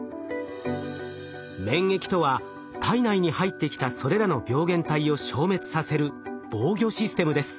免疫とは体内に入ってきたそれらの病原体を消滅させる防御システムです。